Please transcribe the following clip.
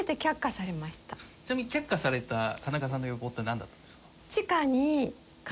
ちなみに却下された田中さんの要望ってなんだったんですか？